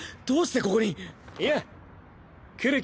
どうしてここに？やあ。